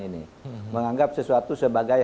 ini menganggap sesuatu sebagai